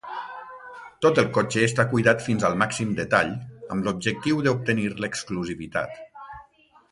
Tot el cotxe està cuidat fins al màxim detall amb l'objectiu d'obtenir l'exclusivitat.